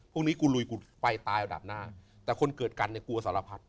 พวกนี้กูลกูไปตายระดับหน้าแต่คนเกิดกันเนี่ยกลัวสารพัด